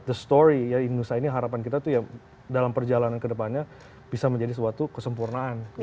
tapi cerita ya nusa ini harapan kita tuh ya dalam perjalanan ke depannya bisa menjadi sesuatu kesempurnaan gitu